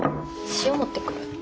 塩持ってくる。